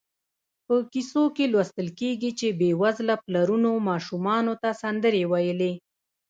په کیسو کې لوستل کېږي چې بېوزله پلرونو ماشومانو ته سندرې ویلې.